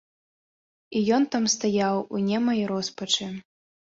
І ён там стаяў у немай роспачы.